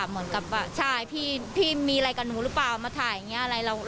เหมือนกับว่าใช่พี่มีอะไรกับหนูหรือเปล่ามาถ่ายอย่างนี้อะไร